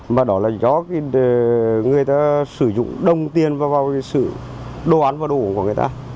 mà đó là do người ta sử dụng đồng tiền vào sự đoán và đủ của người ta